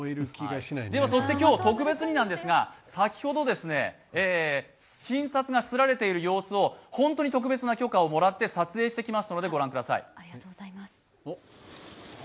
今日、特別になんですが、先ほど新札が刷られている様子を本当に特別な許可をもらって撮影してきましたのでご覧ください。